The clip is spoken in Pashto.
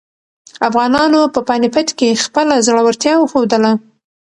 افغانانو په پاني پت کې خپله زړورتیا وښودله.